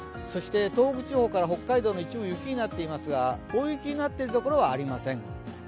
そして東北地方から北海道の一部は雪になっていますが大雪になっている所はありません。